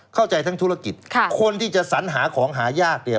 เข้าใจทั้งธุรกิจค่ะคนที่จะสัญหาของหายากเนี่ย